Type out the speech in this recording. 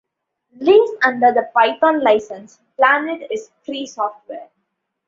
Released under the Python License, Planet is free software.